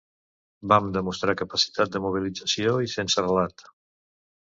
Vam demostrar capacitat de mobilització i sense relat.